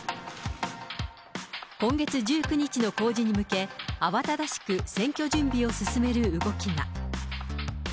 今月１９日の公示に向け、慌ただしく選挙準備を進める動きが。